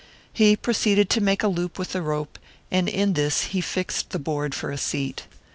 He proceeded to make a loop with the rope, and in this he fixed the board for a seat.